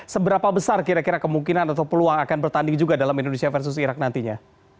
seberapa besar kira kira kemungkinan atau peluang akan bertanding juga dalam indonesia versus irak nantinya